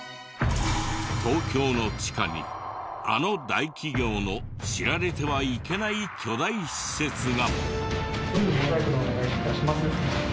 東京の地下にあの大企業の知られてはいけない巨大施設が。